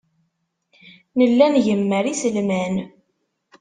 Nella ngemmer iselman.